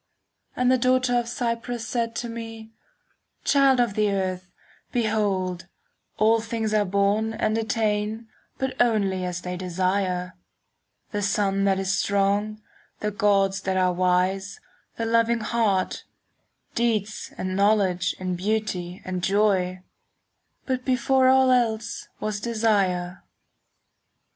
And the daughter of Cyprus said to me, "Child of the earth, 10 Behold, all things are born and attain, But only as they desire,— "The sun that is strong, the gods that are wise, The loving heart, Deeds and knowledge and beauty and joy,— 15 But before all else was desire."